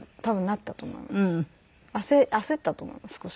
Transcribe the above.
焦ったと思うんです少し。